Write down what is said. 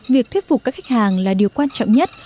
việc thuyết phục các khách hàng là điều quan trọng nhất